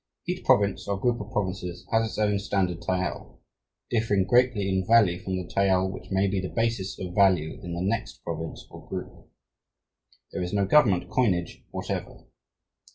Each province or group of provinces has its own standard tael, differing greatly in value from the tael which may be the basis of value in the next province or group. There is no government coinage whatever.